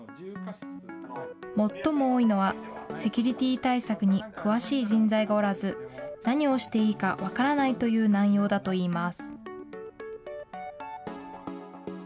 最も多いのは、セキュリティー対策に詳しい人材がおらず、何をしていいか分からないという内容だといいます。